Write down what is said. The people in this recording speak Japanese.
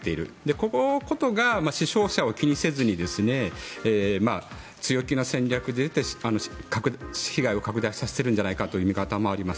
このことが死傷者を気にせずに強気な戦略に出て被害を拡大させているんじゃないかという見方もあります。